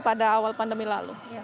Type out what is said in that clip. pada awal pandemi lalu